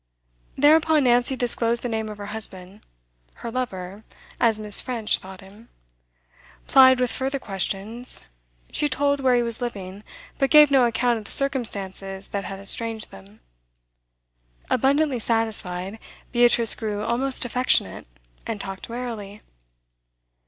Thereupon Nancy disclosed the name of her husband her lover, as Miss. French thought him. Plied with further questions, she told where he was living, but gave no account of the circumstances that had estranged them. Abundantly satisfied, Beatrice grew almost affectionate, and talked merrily.